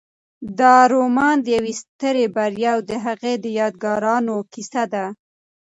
دا رومان د یوې سترې بریا او د هغې د یادګارونو کیسه ده.